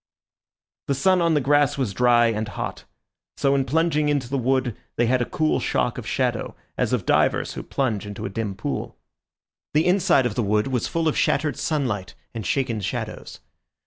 The sun on the grass was dry and hot. So in plunging into the wood they had a cool shock of shadow, as of divers who plunge into a dim pool. The inside of the wood was full of shattered sunlight and shaken shadows.